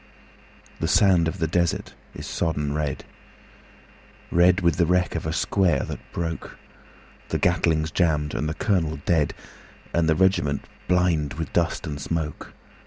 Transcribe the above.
The sand of the desert is sodden red, Red with the wreck of a square that broke; The Gatling's jammed and the colonel dead, And the regiment blind with dust and smoke.